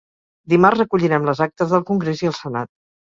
Dimarts recollirem les actes del congrés i el senat.